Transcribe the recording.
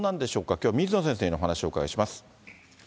きょうは水野先生にお話をお伺いします。